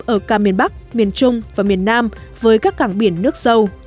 ở cả miền bắc miền trung và miền nam với các cảng biển nước sâu